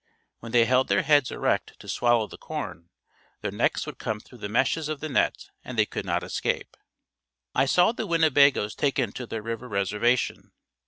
When they held their heads erect to swallow the corn, their necks would come through the meshes of the net and they could not escape. I saw the Winnebagoes taken to their river reservation.